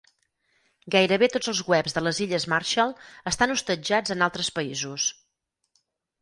Gairebé tots els webs de les Illes Marshall estan hostatjats en altres països.